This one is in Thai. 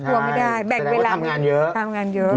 แสดงว่าทำงานเยอะ